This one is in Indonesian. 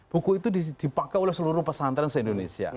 buku itu dipakai oleh seluruh pesantren se indonesia